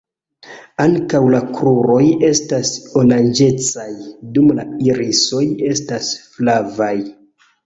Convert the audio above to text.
Ankaŭ la kruroj estas oranĝecaj, dum la irisoj estas flavaj.